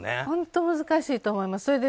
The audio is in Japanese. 本当難しいと思います。